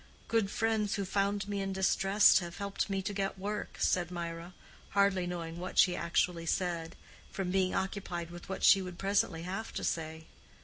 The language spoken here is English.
"Good friends who found me in distress have helped me to get work," said Mirah, hardly knowing what she actually said, from being occupied with what she would presently have to say.